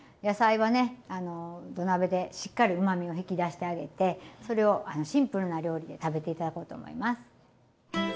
野菜はね土鍋でしっかりうまみを引き出してあげてそれをシンプルな料理で食べて頂こうと思います。